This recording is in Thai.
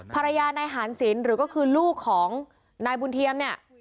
ภรรยานายหานศิลป์หรือก็คือลูกของนายบุญเทียมเนี่ย